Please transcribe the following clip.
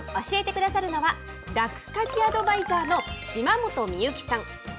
教えてくださるのは、ラク家事アドバイザーの島本美由紀さん。